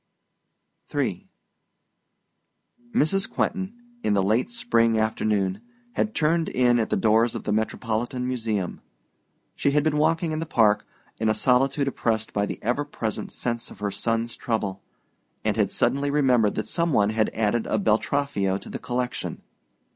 III Mrs. Quentin, in the late spring afternoon, had turned in at the doors of the Metropolitan Museum. She had been walking in the Park, in a solitude oppressed by the ever present sense of her son's trouble, and had suddenly remembered that some one had added a Beltraffio to the collection.